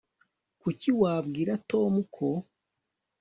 kuki wabwira tom ko